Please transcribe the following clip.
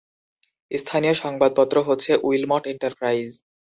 স্থানীয় সংবাদপত্র হচ্ছে উইলমট এন্টারপ্রাইজ।